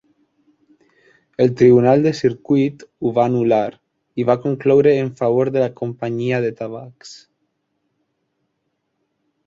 El Tribunal de circuit ho va anul·lar i va concloure en favor de la companyia de tabacs.